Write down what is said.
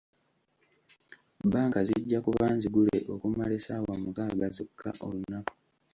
Bbanka zijja kuba nzigule okumala essaawa mukaaga zokka olunaku.